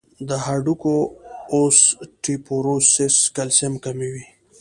د هډوکو اوسټيوپوروسس کلسیم کموي.